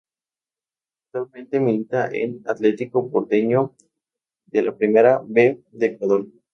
Actualmente milita en Atletico Porteño de la Primera B de Ecuador.